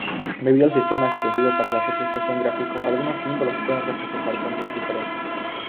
Debido al sistema escogido para la representación gráfico, algunos símbolos pueden representar sonidos diferentes.